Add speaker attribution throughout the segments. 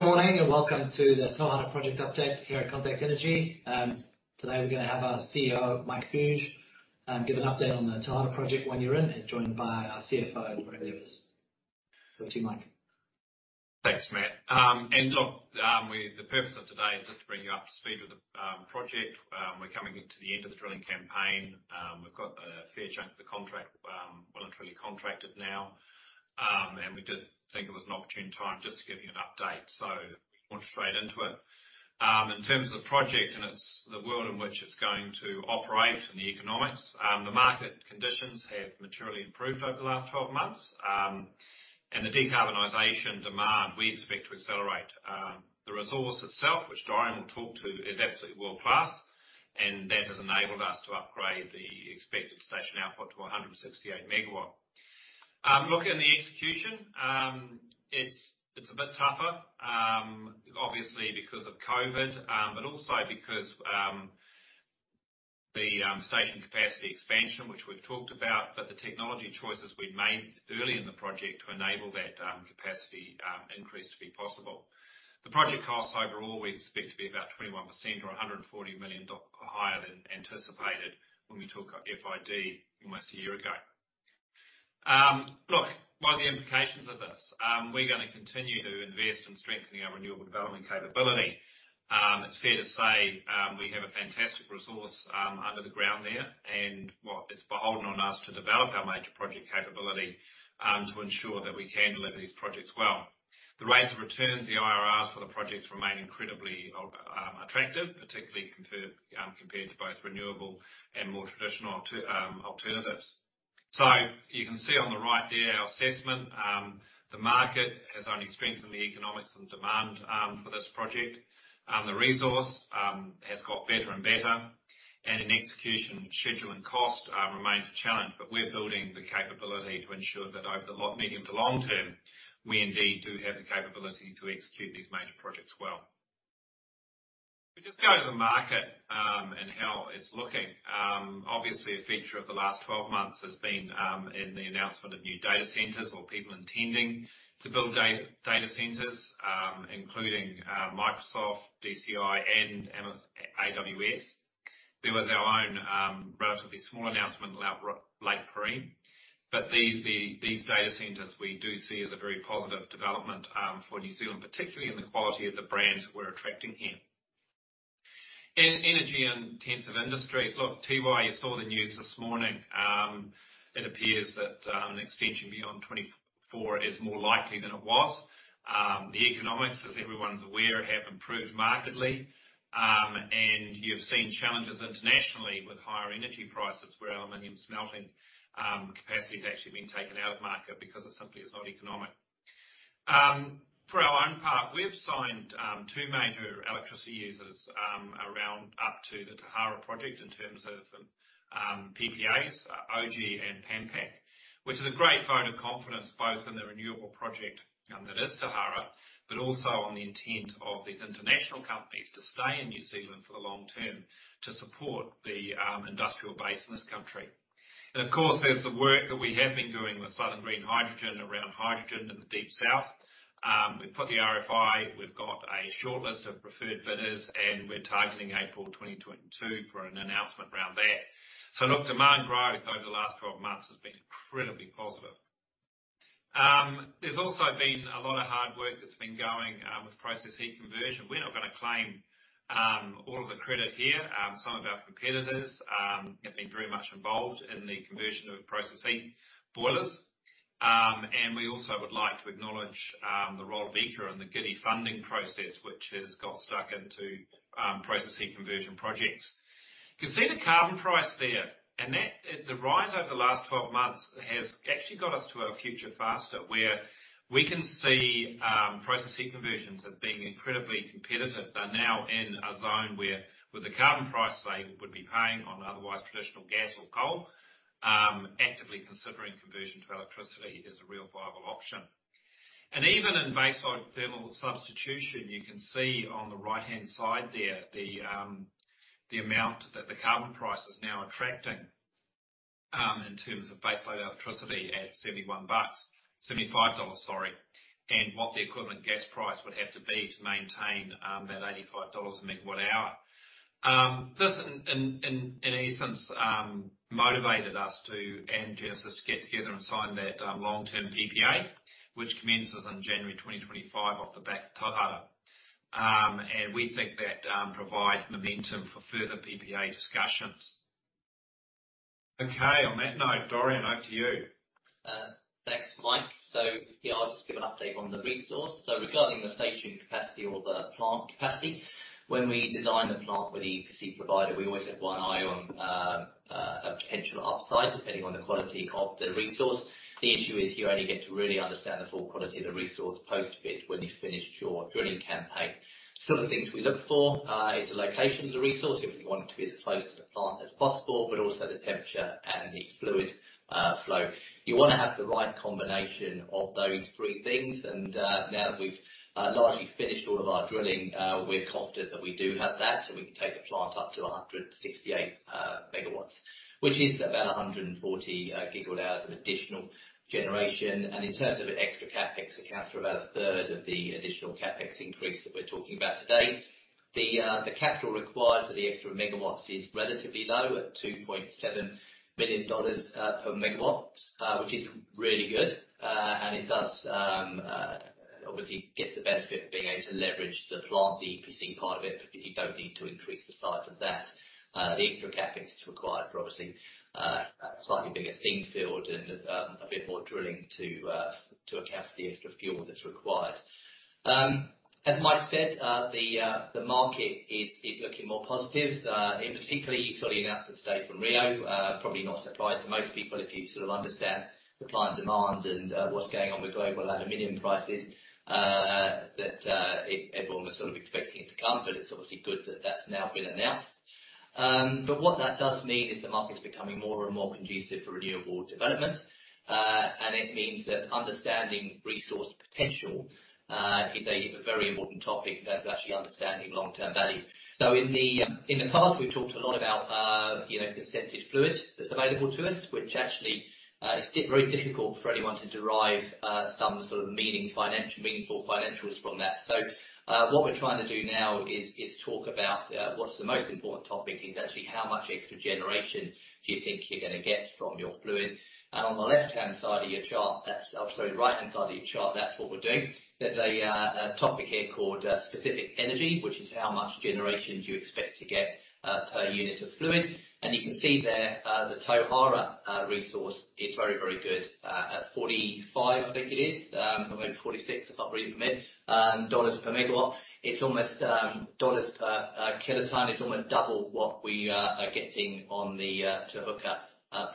Speaker 1: Good morning, and welcome to the Tauhara Project update here at Contact Energy. Today we're gonna have our CEO, Mike Fuge, give an update on the Tauhara Project one year in, and joined by our CFO, Dorian Devers. Over to you, Mike.
Speaker 2: Thanks, Matt. The purpose of today is just to bring you up to speed with the project. We're coming into the end of the drilling campaign. We've got a fair chunk of the contract, well and truly contracted now. We did think it was an opportune time just to give you an update. We'll get straight into it. In terms of project and its, the world in which it's going to operate and the economics, the market conditions have materially improved over the last 12 months, and the decarbonization demand we expect to accelerate. The resource itself, which Dorian will talk to, is absolutely world-class, and that has enabled us to upgrade the expected station output to 168 MW. Looking at the execution, it's a bit tougher, obviously because of COVID, but also because the station capacity expansion, which we've talked about, but the technology choices we'd made early in the project to enable that capacity increase to be possible. The project costs overall we expect to be about 21% or 140 million dollars higher than anticipated when we talk of FID almost a year ago. Look, what are the implications of this? We're gonna continue to invest in strengthening our renewable development capability. It's fair to say, we have a fantastic resource under the ground there, and well, it's beholden on us to develop our major project capability to ensure that we can deliver these projects well. The rates of returns, the IRRs for the projects remain incredibly attractive, particularly compared to both renewable and more traditional alternatives. You can see on the right there our assessment. The market has only strengthened the economics and demand for this project. The resource has got better and better, and in execution, schedule and cost remains a challenge. We're building the capability to ensure that over the medium to long term, we indeed do have the capability to execute these major projects well. If we just go to the market and how it's looking. Obviously a feature of the last 12 months has been in the announcement of new data centers or people intending to build data centers, including Microsoft, DCI and AWS. There was our own relatively small announcement about Lake Coleridge. These data centers we do see as a very positive development for New Zealand, particularly in the quality of the brands we're attracting here. In energy-intensive industries, look, Tiwai you saw the news this morning. It appears that an extension beyond 2024 is more likely than it was. The economics, as everyone's aware, have improved markedly. You've seen challenges internationally with higher energy prices where aluminum smelting capacity is actually being taken out of market because it simply is not economic. For our own part, we've signed two major electricity users for the Tauhara Project in terms of PPAs, Oji and Pan Pac, which is a great vote of confidence both in the renewable project that is Tauhara, but also in the intent of these international companies to stay in New Zealand for the long term to support the industrial base in this country. Of course, there's the work that we have been doing with Southern Green Hydrogen around hydrogen in the deep south. We've put the RFI, we've got a shortlist of preferred bidders, and we're targeting April 2022 for an announcement around that. Look, demand growth over the last 12 months has been incredibly positive. There's also been a lot of hard work that's been going with process heat conversion. We're not gonna claim all of the credit here. Some of our competitors have been very much involved in the conversion of process heat boilers. We also would like to acknowledge the role of EECA and the GIDI funding process, which has got stuck into process heat conversion projects. You can see the carbon price there and that the rise over the last 12 months has actually got us to our future faster where we can see process heat conversions as being incredibly competitive. They're now in a zone where with the carbon price they would be paying on otherwise traditional gas or coal, actively considering conversion to electricity is a real viable option. Even in baseload thermal substitution, you can see on the right-hand side there the amount that the carbon price is now attracting in terms of baseload electricity at 75 dollars, and what the equivalent gas price would have to be to maintain that 85 dollars/MWh. This in essence motivated us and Genesis to get together and sign that long-term PPA, which commences in January 2025 off the back of Tauhara. We think that provides momentum for further PPA discussions. Okay. On that note, Dorian, over to you.
Speaker 3: Thanks, Mike. Here I'll just give an update on the resource. Regarding the station capacity or the plant capacity, when we design the plant with the EPC provider, we always have one eye on a potential upside depending on the quality of the resource. The issue is you only get to really understand the full quality of the resource post bid when you've finished your drilling campaign. Some of the things we look for is the location of the resource. Obviously, we want it to be as close to the plant as possible, but also the temperature and heat fluid flow. You wanna have the right combination of those three things and, now that we've largely finished all of our drilling, we're confident that we do have that, so we can take the plant up to 168 MW, which is about 140 GWh of additional generation. In terms of extra CapEx, accounts for about a third of the additional CapEx increase that we're talking about today. The capital required for the extra megawatts is relatively low at 2.7 million dollars per MW, which is really good. It does obviously gets the benefit of being able to leverage the plant, the existing part of it, because you don't need to increase the size of that. The extra capacity is required for obviously a slightly bigger steam field and a bit more drilling to account for the extra fuel that's required. As Mike said, the market is looking more positive. Particularly you saw the announcement today from Rio. Probably not surprised to most people if you sort of understand the client demand and what's going on with global aluminum prices, that everyone was sort of expecting it to come, but it's obviously good that that's now been announced. What that does mean is the market's becoming more and more conducive for renewable development. It means that understanding resource potential is a very important topic that's actually understanding long-term value. In the past, we've talked a lot about, you know, consented fluid that's available to us, which actually is very difficult for anyone to derive some sort of meaningful financials from that. What we're trying to do now is talk about what's the most important topic is actually how much extra generation do you think you're gonna get from your fluids? On the right-hand side of your chart, that's what we're doing. There's a topic here called specific energy, which is how much generations you expect to get per unit of fluid. You can see there, the Tauhara resource is very, very good. At 45, I think it is, or maybe 46, I can't read it from here, NZD per MW. It's almost double what we are getting on the Te Huka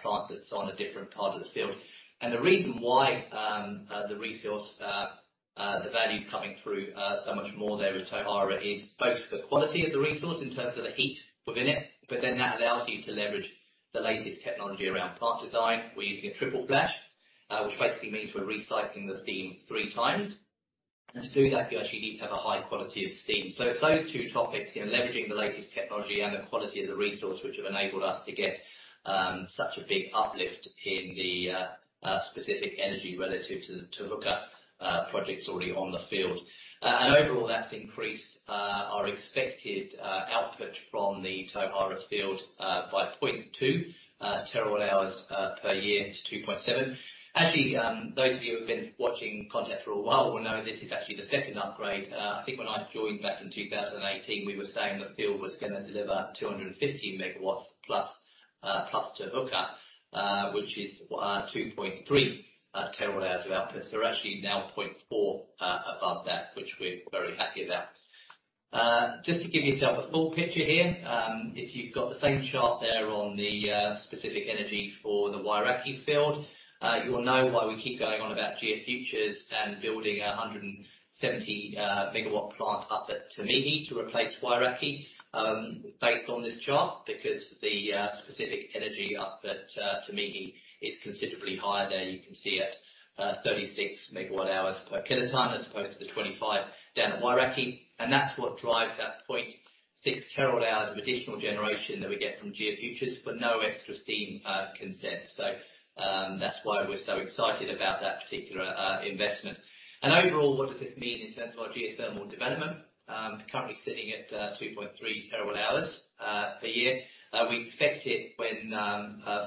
Speaker 3: plant that's on a different part of this field. The reason why the value's coming through so much more there with Tauhara is both the quality of the resource in terms of the heat within it, but then that allows you to leverage the latest technology around plant design. We're using a triple-flash, which basically means we're recycling the steam three times. To do that, you actually need to have a high quality of steam. It's those two topics, you know, leveraging the latest technology and the quality of the resource, which have enabled us to get such a big uplift in the specific energy relative to the Te Huka projects already on the field. Overall, that's increased our expected output from the Tauhara field by 0.2 TWh per year to 2.7TWh. Actually, those of you who have been watching Contact for a while will know this is actually the second upgrade. I think when I joined back in 2018, we were saying the field was gonna deliver 250 MW plus to Te Huka, which is 2.3 TWh of output. We're actually now 0.4 above that, which we're very happy about. Just to give yourself a full picture here, if you've got the same chart there on the specific energy for the Wairākei field, you'll know why we keep going on about GeoFuture and building a 170 MW plant up at Te Mihi to replace Wairākei, based on this chart, because the specific energy up at Te Mihi is considerably higher there. You can see it, 36 MWh per kiloton as opposed to the 25 down at Wairākei. That's what drives that 0.6 TWh of additional generation that we get from GeoFuture for no extra steam consent. That's why we're so excited about that particular investment. Overall, what does this mean in terms of our geothermal development? Currently sitting at 2.3 TWh per year. We expect it when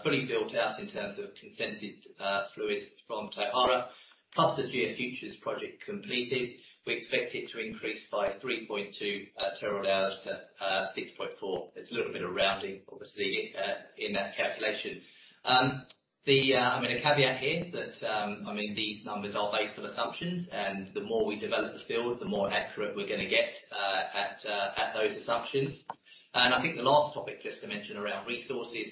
Speaker 3: fully built out in terms of consented fluids from Tauhara, plus the GeoFuture project completed, we expect it to increase by 3.2 TWh to 6.4 TWh. It's a little bit of rounding, obviously, in that calculation. I mean a caveat here that these numbers are based on assumptions, and the more we develop the field, the more accurate we're gonna get at those assumptions. I think the last topic just to mention around resources,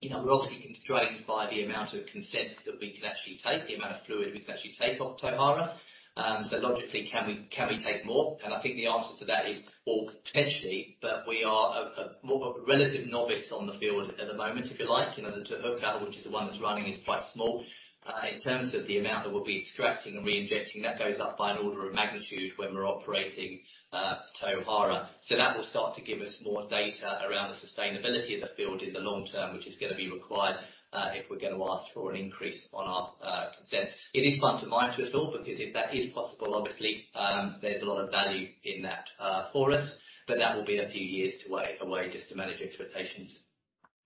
Speaker 3: you know, we're obviously constrained by the amount of consent that we can actually take, the amount of fluid we can actually take off Tauhara. So logically, can we take more? I think the answer to that is, well, potentially, but we are a more of a relative novice on the field at the moment, if you like. You know, the Te Huka, which is the one that's running, is quite small. In terms of the amount that we'll be extracting and reinjecting, that goes up by an order of magnitude when we're operating, Tauhara. So that will start to give us more data around the sustainability of the field in the long term, which is gonna be required, if we're gonna ask for an increase on our, consent. It is front of mind to us all because if that is possible, obviously, there's a lot of value in that, for us, but that will be a few years away just to manage expectations.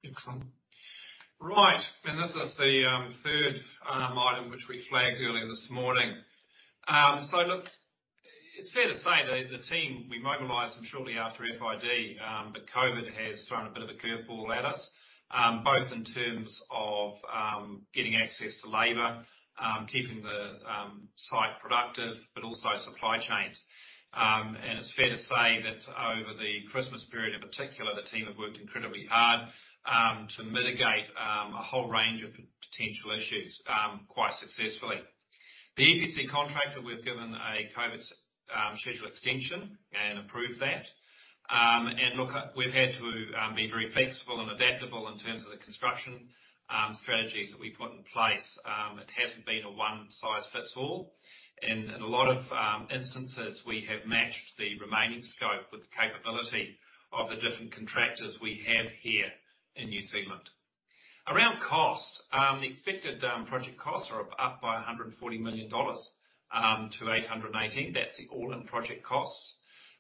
Speaker 2: Excellent. Right. This is the third item which we flagged earlier this morning. Look, it's fair to say that the team, we mobilized them shortly after FID, but COVID has thrown a bit of a curveball at us, both in terms of getting access to labor, keeping the site productive, but also supply chains. It's fair to say that over the Christmas period, in particular, the team have worked incredibly hard to mitigate a whole range of potential issues quite successfully. The EPC contractor we've given a COVID schedule extension and approved that. Look, we've had to be very flexible and adaptable in terms of the construction strategies that we put in place. It hasn't been a one size fits all. In a lot of instances, we have matched the remaining scope with the capability of the different contractors we have here in New Zealand. Around cost, the expected project costs are up by 140 million dollars to 818 million. That's the all-in project costs.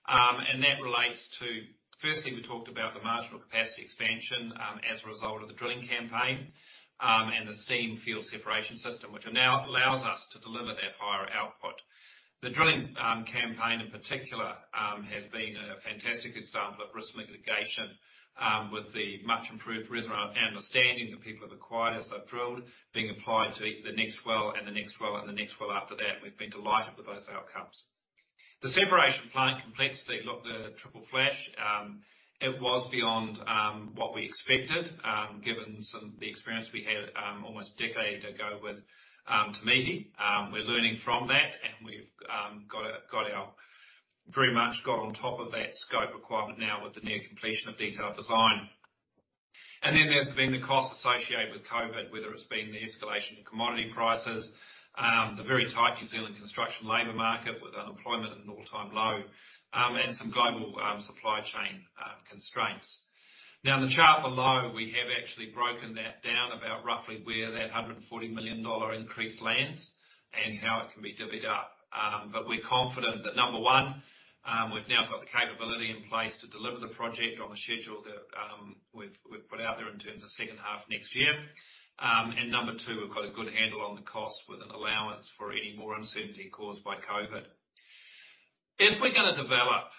Speaker 2: That relates to firstly, we talked about the marginal capacity expansion as a result of the drilling campaign and the steam field separation system, which now allows us to deliver that higher output. The drilling campaign in particular has been a fantastic example of risk mitigation with the much improved reservoir understanding the people have acquired as they've drilled, being applied to the next well, and the next well, and the next well after that. We've been delighted with those outcomes. The separation plant complexity, look, the triple-flash, it was beyond what we expected, given the experience we had almost a decade ago with Te Mihi. We're learning from that, and we've very much got on top of that scope requirement now with the near completion of detailed design. Then there's been the cost associated with COVID, whether it's been the escalation in commodity prices, the very tight New Zealand construction labor market with unemployment at an all-time low, and some global supply chain constraints. Now, in the chart below, we have actually broken that down about roughly where that 140 million dollar increase lands and how it can be divvied up. We're confident that 1, we've now got the capability in place to deliver the project on the schedule that we've put out there in terms of second half next year. 2, we've got a good handle on the cost with an allowance for any more uncertainty caused by COVID. If we're gonna develop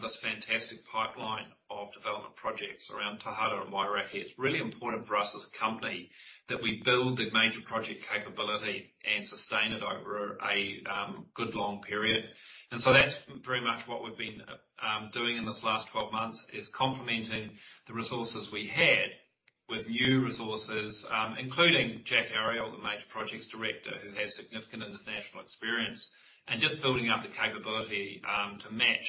Speaker 2: this fantastic pipeline of development projects around Tauhara and Wairākei, it's really important for us as a company that we build the major project capability and sustain it over a good long period. That's very much what we've been doing in this last 12 months, is complementing the resources we had with new resources, including Jack Ariel, the Major Projects Director, who has significant international experience, and just building up the capability to match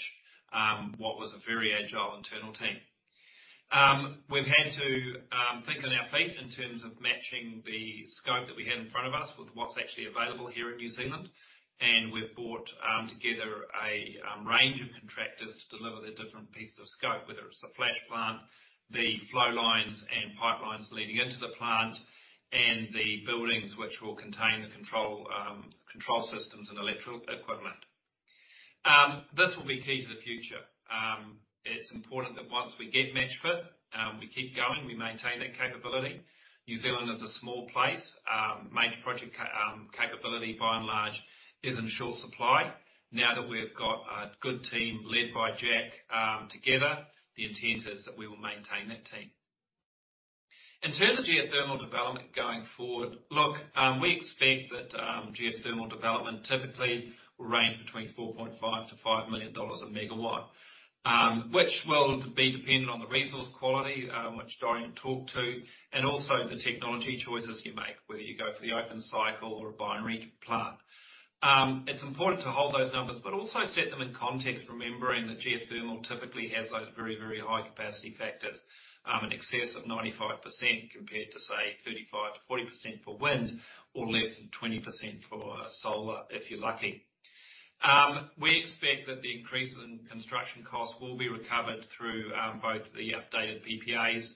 Speaker 2: what was a very agile internal team. We've had to think on our feet in terms of matching the scope that we had in front of us with what's actually available here in New Zealand. We've brought together a range of contractors to deliver the different pieces of scope, whether it's the flash plant, the flow lines and pipelines leading into the plant, and the buildings which will contain the control systems and electrical equipment. This will be key to the future. It's important that once we get match fit, we keep going, we maintain that capability. New Zealand is a small place. Major project capability, by and large, is in short supply. Now that we've got a good team led by Jack, together, the intent is that we will maintain that team. In terms of geothermal development going forward, look, we expect that geothermal development typically will range between 4.5 million-5 million dollars a MW, which will be dependent on the resource quality, which Dorian talked to, and also the technology choices you make, whether you go for the open-cycle or a binary-cycle plant. It's important to hold those numbers, but also set them in context, remembering that geothermal typically has those very, very high capacity factors, in excess of 95% compared to, say, 35%-40% for wind or less than 20% for solar, if you're lucky. We expect that the increase in construction costs will be recovered through both the updated PPAs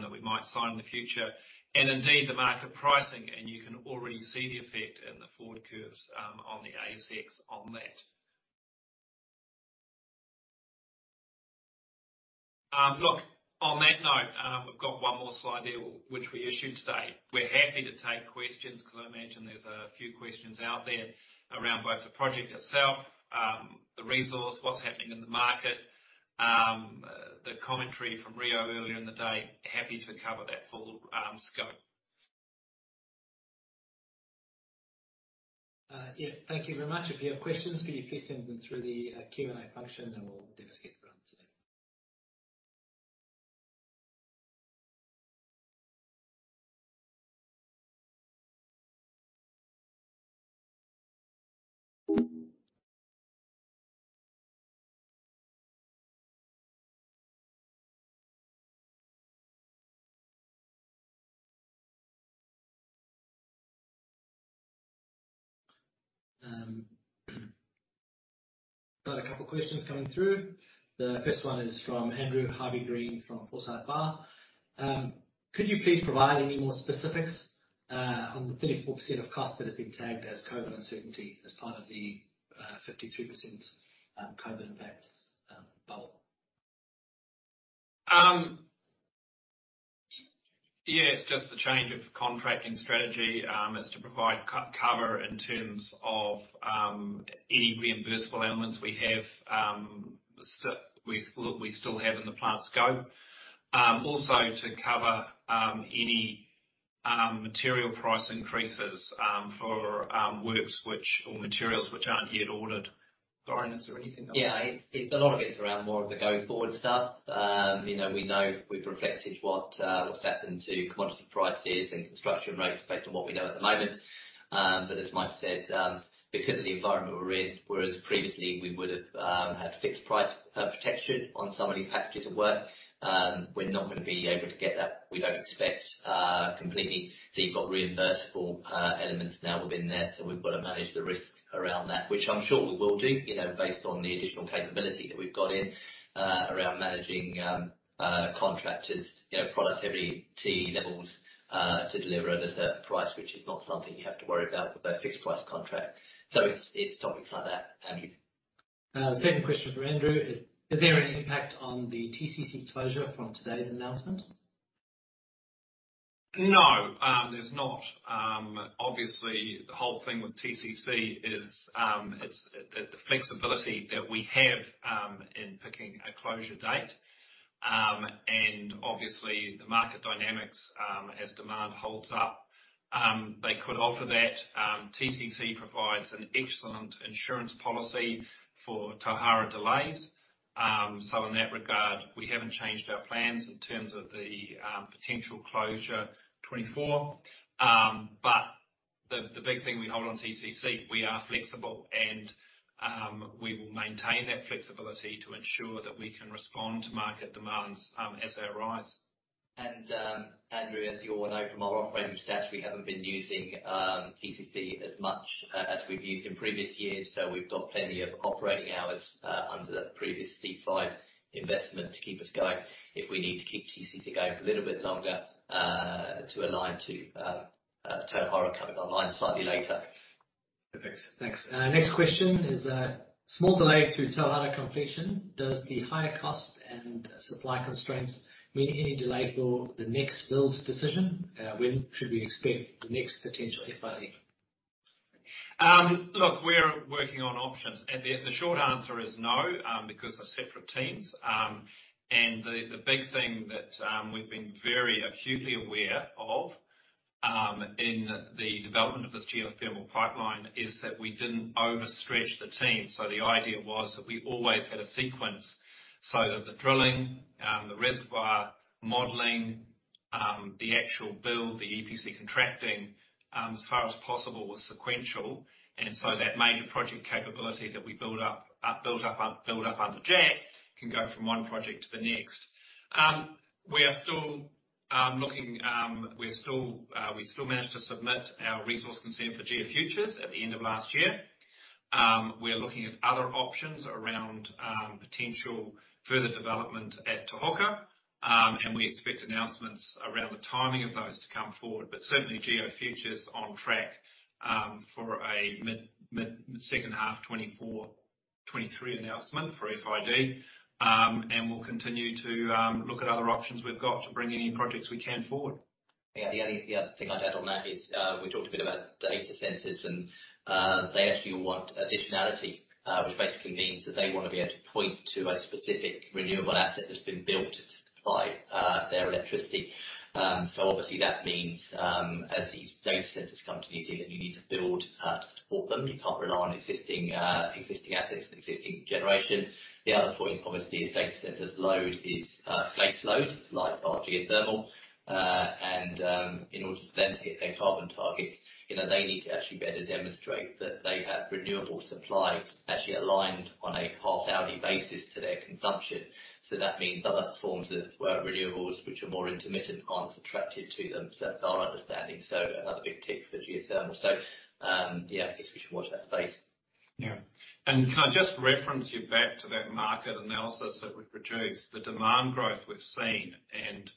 Speaker 2: that we might sign in the future and indeed the market pricing, and you can already see the effect in the forward curves on the ASX on that. Look, on that note, we've got one more slide there which we issued today. We're happy to take questions 'cause I imagine there's a few questions out there around both the project itself, the resource, what's happening in the market, the commentary from Rio earlier in the day. Happy to cover that full scope.
Speaker 4: Yeah. Thank you very much. If you have questions, can you please send them through the Q&A function, and we'll do our best to get through them today. Got a couple questions coming through. The first one is from Andrew Harvey-Green from Forsyth Barr. Could you please provide any more specifics on the 34% of cost that has been tagged as COVID uncertainty as part of the 52% COVID impact bowl?
Speaker 2: Yeah. It's just the change of contracting strategy is to provide cover in terms of any reimbursable elements we still have in the plant scope. Also to cover any material price increases for works or materials which aren't yet ordered. Dorian, is there anything else?
Speaker 3: Yeah. It's a lot of it's around more of the going forward stuff. You know, we know we've reflected what's happened to commodity prices and construction rates based on what we know at the moment. As Mike said, because of the environment we're in, whereas previously we would've had fixed price protection on some of these packages of work, we're not gonna be able to get that. We don't expect completely, so you've got reimbursable elements now within there, so we've got to manage the risk around that, which I'm sure we will do, you know, based on the additional capability that we've got in around managing contractors, you know, productivity levels to deliver at a certain price, which is not something you have to worry about with a fixed price contract. It's topics like that, Andrew.
Speaker 4: Second question for Andrew: Is there any impact on the TCC closure from today's announcement?
Speaker 2: No, there's not. Obviously the whole thing with TCC is the flexibility that we have in picking a closure date. Obviously the market dynamics, as demand holds up, they could alter that. TCC provides an excellent insurance policy for Tauhara delays. In that regard, we haven't changed our plans in terms of the potential closure 2024. The big thing we hold on TCC, we are flexible and we will maintain that flexibility to ensure that we can respond to market demands as they arise.
Speaker 3: Andrew, as you all know from our operating stats, we haven't been using TCC as much as we've used in previous years, so we've got plenty of operating hours under the previous C5 investment to keep us going if we need to keep TCC going for a little bit longer to align to Tauhara coming online slightly later.
Speaker 4: Perfect. Thanks. Next question is, small delay to Tauhara completion. Does the higher cost and supply constraints mean any delay for the next builds decision? When should we expect the next potential FID?
Speaker 2: Look, we're working on options. At the end, the short answer is no, because they're separate teams. The big thing that we've been very acutely aware of in the development of this geothermal pipeline is that we didn't overstretch the team. The idea was that we always had a sequence so that the drilling, the reservoir modeling, the actual build, the EPC contracting, as far as possible was sequential. That major project capability that we built up under Jack can go from one project to the next. We still managed to submit our resource consent for GeoFuture at the end of last year. We are looking at other options around potential further development at Tauhara. We expect announcements around the timing of those to come forward. Certainly GeoFuture on track for a mid second half 2023 announcement for FID. We'll continue to look at other options we've got to bring any projects we can forward.
Speaker 3: Yeah. The only other thing I'd add on that is, we talked a bit about data centers and, they actually want additionality, which basically means that they wanna be able to point to a specific renewable asset that's been built to supply, their electricity. So obviously that means, as these data centers come to New Zealand, you need to build, to support them. You can't rely on existing assets and existing generation. The other point, obviously, is data centers load is, base load like our geothermal. In order for them to hit their carbon targets, you know, they need to actually be able to demonstrate that they have renewable supply actually aligned on a half-hourly basis to their consumption. So that means other forms of renewables which are more intermittent aren't attractive to them. That's our understanding. Another big tick for geothermal. Yeah, guess we should watch that space.
Speaker 2: Yeah. Can I just reference you back to that market analysis that we produced. The demand growth we've seen, and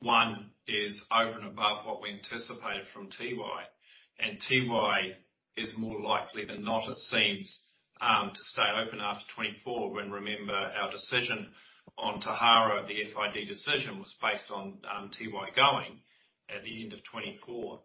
Speaker 2: one is over and above what we anticipated from Tiwai. Tiwai is more likely than not, it seems, to stay open after 2024. When remember our decision on Tauhara, the FID decision was based on Tiwai going at the end of 2024.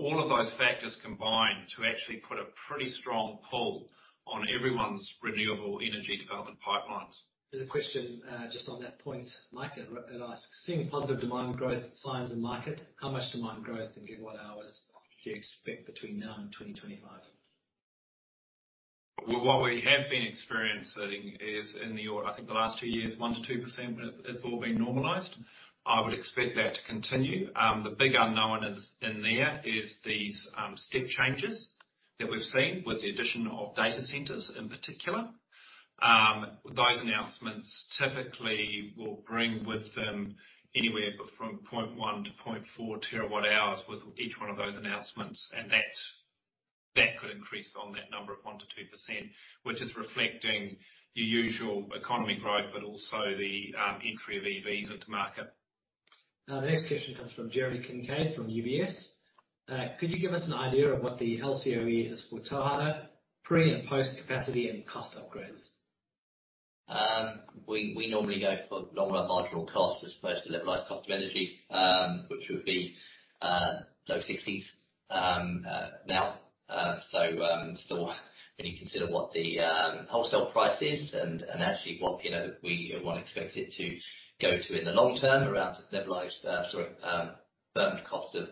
Speaker 2: All of those factors combined to actually put a pretty strong pull on everyone's renewable energy development pipelines.
Speaker 4: There's a question just on that point, Mike. It asks, seeing positive demand growth signs in market, how much demand growth in gigawatt hours do you expect between now and 2025?
Speaker 2: Well, what we have been experiencing is I think the last two years, 1%-2%. It's all been normalized. I would expect that to continue. The big unknown is these step changes that we've seen with the addition of data centers in particular. Those announcements typically will bring with them anywhere from 0.1 TWh-0.4 TWh with each one of those announcements, and that could increase on that number of 1%-2%. Which is reflecting your usual economy growth, but also the entry of EVs into market.
Speaker 4: Now the next question comes from Jeremy Kincaid from UBS. Could you give us an idea of what the LCOE is for Tauhara pre- and post-capacity and cost upgrades?
Speaker 3: We normally go for Long-Run Marginal Cost as opposed to Levelized Cost of Energy, which would be low 60s now. Still, when you consider what the wholesale price is and actually what one expects it to go to in the long term around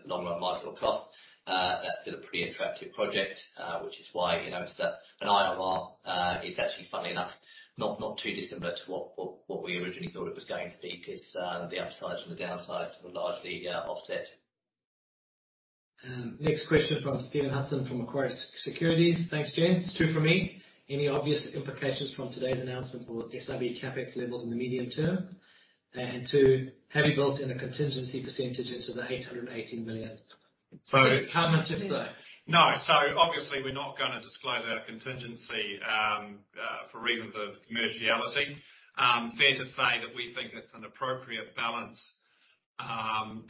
Speaker 3: Long-Run Marginal Cost, that's still a pretty attractive project, which is why, you know, the IRR is actually funnily enough not too dissimilar to what we originally thought it was going to be 'cause the upsides from the downsides were largely offset.
Speaker 4: Next question from Stephen Hudson from Macquarie Securities. Thanks, James. Two for me. Any obvious implications from today's announcement for SIB CapEx levels in the medium term? And two, have you built in a contingency percentage into the 880 million?
Speaker 2: So-
Speaker 4: Can I just say.
Speaker 2: No. Obviously, we're not gonna disclose our contingency for reasons of commerciality. Fair to say that we think it's an appropriate balance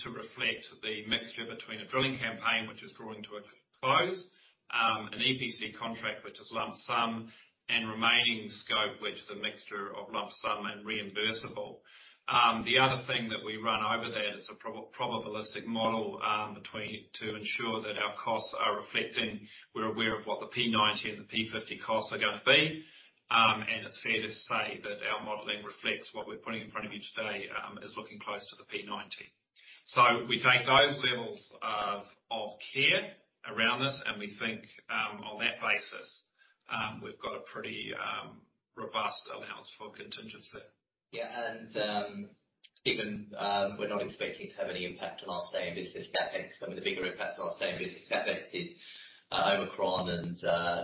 Speaker 2: to reflect the mixture between a drilling campaign which is drawing to a close, an EPC contract which is lump sum and remaining scope, which is a mixture of lump sum and reimbursable. The other thing that we run over that is a probabilistic model to ensure that our costs are reflecting. We're aware of what the P90 and the P50 costs are gonna be. It's fair to say that our modeling reflects what we're putting in front of you today is looking close to the P90. We take those levels of care around this, and we think, on that basis, we've got a pretty robust allowance for contingency.
Speaker 3: We're not expecting to have any impact on our Stay in Business CapEx. I mean, the bigger impact on our Stay in Business CapEx is Omicron and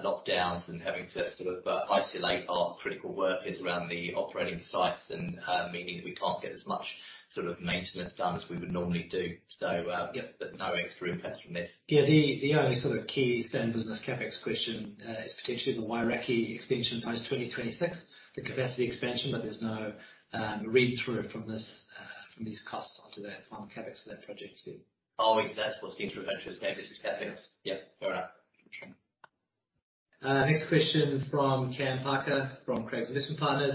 Speaker 3: lockdowns and having to sort of isolate our critical workers around the operating sites and meaning we can't get as much sort of maintenance done as we would normally do. Yeah, but no extra impact from this.
Speaker 4: Yeah. The only sort of key stay in business CapEx question is potentially the Wairākei extension post 2026, the capacity expansion. There's no read-through from these costs onto that final CapEx for that project.
Speaker 3: Oh, that's what Steven referred to as basic CapEx. Yeah. Fair enough.
Speaker 4: Sure. Next question from Cameron Parker, from Craigs Investment Partners.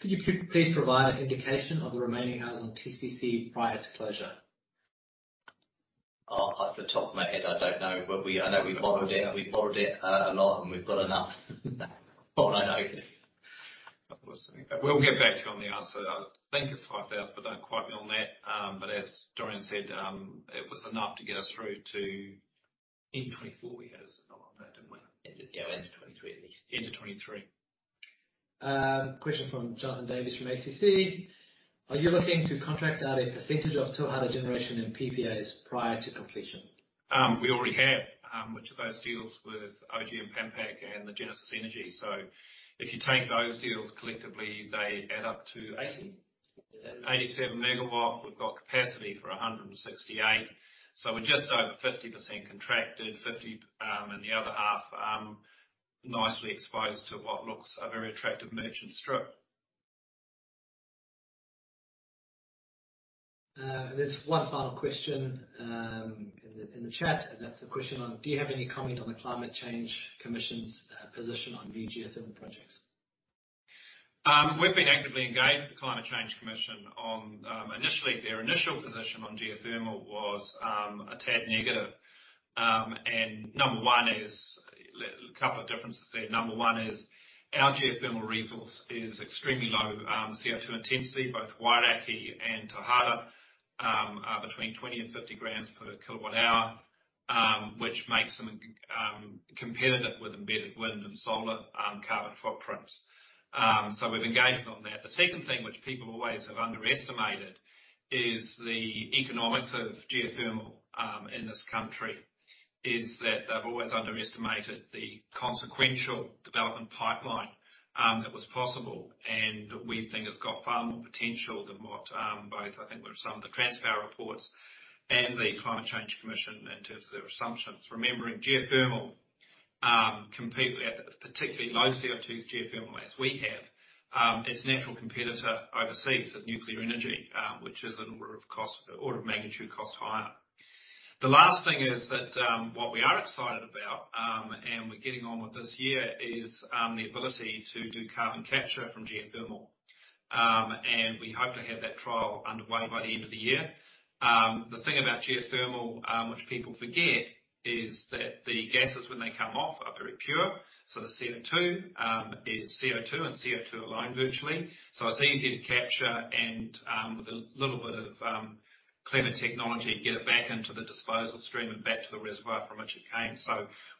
Speaker 4: Could you please provide an indication of the remaining hours on TCC prior to closure?
Speaker 3: Off the top of my head, I don't know. I know we borrowed it a lot, and we've got enough. All I know.
Speaker 2: We'll get back to you on the answer. I think it's 5,000, but don't quote me on that. As Dorian said, it was enough to get us through to.
Speaker 4: In 2024 we had a number on that, didn't we?
Speaker 3: It did go into 2023 at least.
Speaker 4: Question from Jonathan Davis, from ACC. Are you looking to contract out a percentage of Tauhara generation in PPAs prior to completion?
Speaker 2: We already have a bunch of those deals with Oji Group and Pan Pac and Genesis Energy. If you take those deals collectively, they add up to 80?
Speaker 3: Is that it?
Speaker 2: 87 MW. We've got capacity for 168 MW, so we're just over 50% contracted and the other half nicely exposed to what looks like a very attractive merchant strip.
Speaker 4: There's one final question in the chat, and that's a question on, do you have any comment on the Climate Change Commission's position on new geothermal projects?
Speaker 2: We've been actively engaged with the Climate Change Commission on initially, their initial position on geothermal was a tad negative. A couple of differences there. Number one is our geothermal resource is extremely low CO2 intensity. Both Wairākei and Tauhara are between 20 grams and 50 grams per KWh, which makes them competitive with embedded wind and solar carbon footprints. We've engaged on that. The second thing which people always have underestimated is the economics of geothermal in this country, is that they've always underestimated the consequential development pipeline that was possible. We think it's got far more potential than what both I think what some of the Transpower reports and the Climate Change Commission in terms of their assumptions. Geothermal can compete at particularly low CO2 geothermal as we have. Its natural competitor overseas is nuclear energy, which is an order of magnitude cost higher. The last thing is that what we are excited about and we're getting on with this year is the ability to do carbon capture from geothermal. We hope to have that trial underway by the end of the year. The thing about geothermal which people forget is that the gases when they come off are very pure. The CO2 is CO2 and CO2 alone, virtually. It's easy to capture and with a little bit of clever technology get it back into the disposal stream and back to the reservoir from which it came.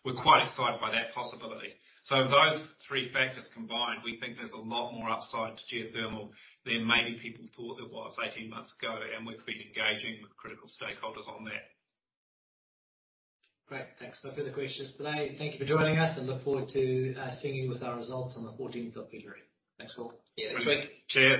Speaker 2: We're quite excited by that possibility. Those three factors combined, we think there's a lot more upside to geothermal than maybe people thought there was 18 months ago, and we've been engaging with critical stakeholders on that.
Speaker 4: Great. Thanks. No further questions today. Thank you for joining us and we look forward to seeing you with our results on the 14th of February. Thanks all.
Speaker 3: Yeah. Thanks.
Speaker 2: Cheers.